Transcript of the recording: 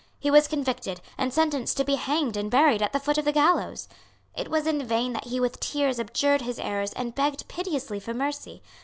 He was convicted, and sentenced to be hanged and buried at the foot of the gallows. It was in vain that he with tears abjured his errors and begged piteously for mercy.